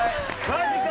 マジか！